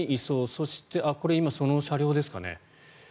そしてこれはその車両ですかね？